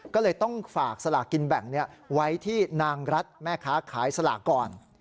ก็เลยต้องฝากสลากกินแบ่งไว้ที่นางรัฐแม่ค้าขายสลากก่อน